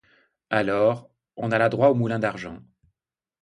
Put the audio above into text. Alors, on alla droit au Moulin-d'Argent.